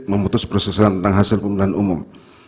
memutus prosesnya tentang hasil pemilihan umum